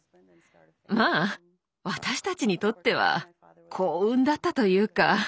まあ私たちにとっては幸運だったというかなんていうかね。